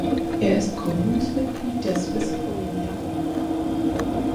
Er ist Gründungsmitglied der Swiss Polymer Group.